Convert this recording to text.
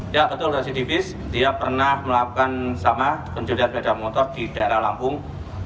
ya betul residivis dia pernah melakukan sama pencurian sepeda motor di daerah lampung